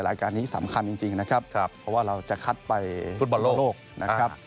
รายการนี้สำคัญจริงนะครับเพราะว่าเราจะคัดไปฟุตบอลโลกนะครับ